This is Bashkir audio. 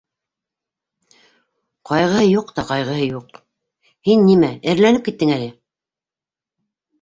Ҡайғыһы юҡ та, ҡайғыһы юҡ... һин нимә эреләнеп киттең әле?